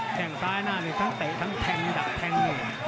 แข่งซ้ายหน้าเมื่อกากเตะตักแทงแนะ